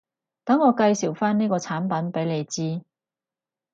等我介紹返呢個產品畀你知